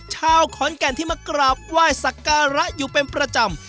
ชาวขอนแก่นที่มากราบไหว้สักการะอยู่เป็นประจำ